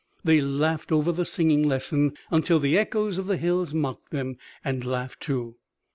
They laughed over the singing lesson, until the echoes of the hills mocked them, and laughed too.